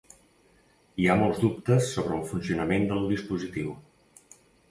Hi ha molts dubtes sobre el funcionament del dispositiu.